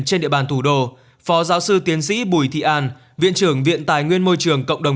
cây xanh thủ đô phó giáo sư tiến sĩ bùi thị an viện trưởng viện tài nguyên môi trường cộng đồng